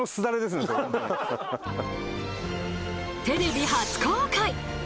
テレビ初公開！